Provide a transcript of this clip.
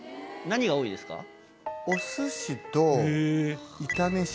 何が多いですか？